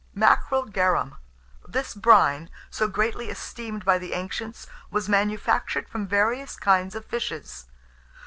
MACKEREL GARUM. This brine, so greatly esteemed by the ancients, was manufactured from various kinds of fishes.